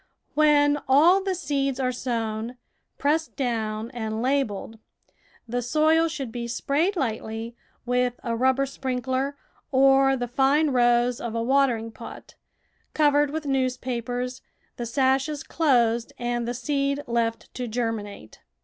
AVhen all the seeds are sown, pressed down, and labelled, the soil should be sprayed lightly with a rubber sprin kler or the fine rose of a watering pot, covered with newspapers, the sashes closed, and the seed left to germinate.